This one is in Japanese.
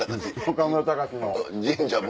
岡村隆史の。